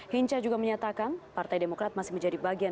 hinca juga menyatakan partai demokrat masih menjadi bagian